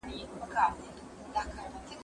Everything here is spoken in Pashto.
په یوه حمله یې پورته کړه له مځکي